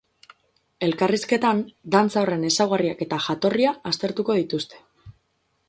Elkarrizketan, dantza horren ezaugarriak eta jatorria aztertuko dituzte.